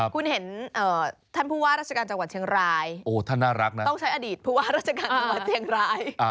เกมีแต่ข้าวเปล่าจริงนะ